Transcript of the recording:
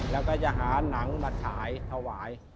แล้วก็จะหาหนังมาฉายถวาย